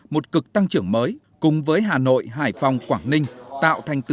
một cực tăng trưởng mới cùng với hà nội hải phòng quảng ninh